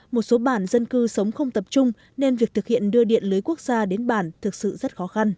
một số bản dân cư sống không tập trung nên việc thực hiện đưa điện lưới quốc gia đến bản thực sự rất khó khăn